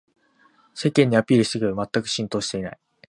世間にアピールしてるけどまったく浸透してない